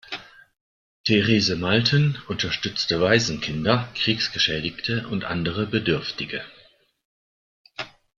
Therese Malten unterstützte Waisenkinder, Kriegsgeschädigte und andere Bedürftige.